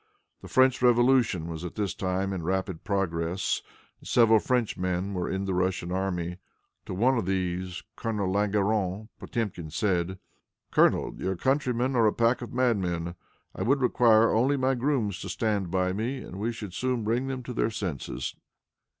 The French Revolution was at this time in rapid progress, and several Frenchmen were in the Russian army. To one of these, Colonel Langeron, Potemkin said, "Colonel, your countrymen are a pack of madmen. I would require only my grooms to stand by me, and we should soon bring them to their senses."